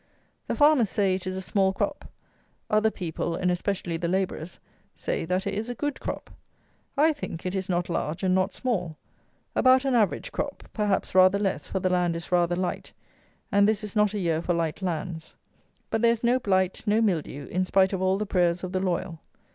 The farmers say it is a small crop; other people, and especially the labourers, say that it is a good crop. I think it is not large and not small; about an average crop; perhaps rather less, for the land is rather light, and this is not a year for light lands. But there is no blight, no mildew, in spite of all the prayers of the "loyal."